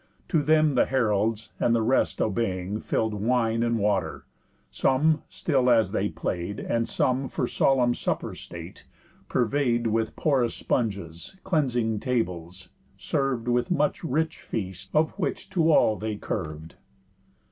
To them the heralds, and the rest obeying, Fill'd wine and water; some, still as they play'd, And some, for solemn supper's state, purvey'd, With porous sponges cleansing tables, serv'd With much rich feast; of which to all they kerv'd.